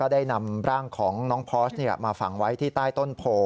ได้นำร่างของน้องพอร์สมาฝังไว้ที่ใต้ต้นโพ